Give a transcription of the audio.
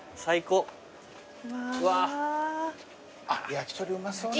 焼き鳥うまそうね。